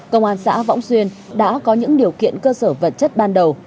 công an xã võng xuyên đã có những điều kiện cơ sở vật chất ban đầu